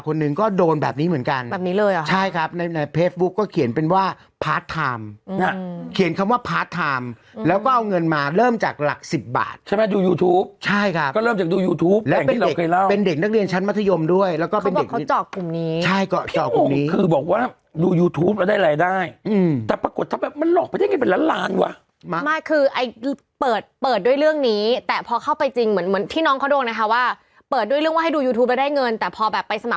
คนหนึ่งก็โดนแบบนี้เหมือนกันแบบนี้เลยอ่ะใช่ครับในในเพจบุ๊คก็เขียนเป็นว่าพาร์ทไทม์อืมเขียนคำว่าพาร์ทไทม์แล้วก็เอาเงินมาเริ่มจากหลักสิบบาทใช่ไหมดูยูทูปใช่ครับก็เริ่มจากดูยูทูปแห่งที่เราเคยเล่าเป็นเด็กนักเรียนชั้นมัธยมด้วยแล้วก็เป็นเด็กเขาเจาะกลุ่มนี้ใช่ก็เจาะกลุ่มนี้